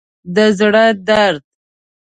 د زړه درد